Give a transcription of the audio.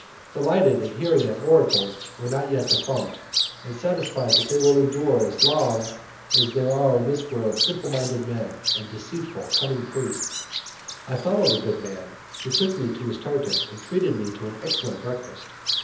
Delighted at hearing that oracles were not yet defunct, and satisfied that they will endure as long as there are in this world simple minded men and deceitful, cunning priests, I follow the good man, who took me to his tartan and treated me to an excellent breakfast.